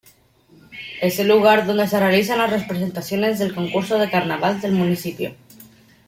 Es el lugar donde se realizan las representaciones del concurso de carnaval del municipio.